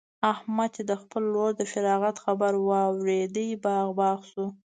احمد چې د خپل ورور د فراغت خبر واورېد؛ باغ باغ شو.